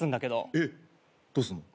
えっどうすんの？